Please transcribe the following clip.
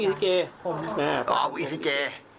อ๋ออิตธิเจ